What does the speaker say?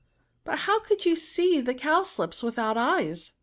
^' But how could you see the cowslips without eyes